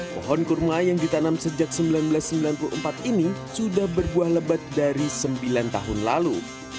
pohon kurma yang ditanam sejak seribu sembilan ratus sembilan puluh empat ini sudah berbuah lebat dari sembilan tahun lalu